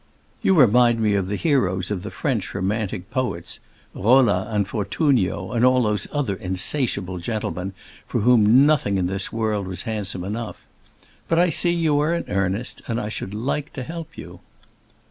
"You remind me of the heroes of the French romantic poets, Rolla and Fortunio and all those other insatiable gentlemen for whom nothing in this world was handsome enough. But I see you are in earnest, and I should like to help you."